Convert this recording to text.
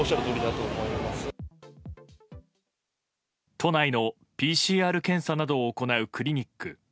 都内のＰＣＲ検査などを行うクリニック。